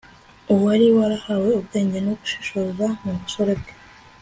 uwari warahawe ubwenge no gushishoza mu busore bwe